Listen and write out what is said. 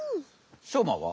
しょうまは？